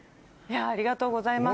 ありがとうございます。